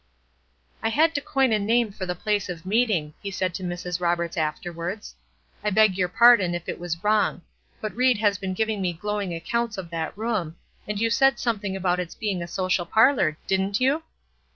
"I had to coin a name for the place of meeting," he said to Mrs. Roberts afterwards. "I beg your pardon if it was wrong; but Ried has been giving me glowing accounts of that room, and you said something about its being a social parlor, didn't you?"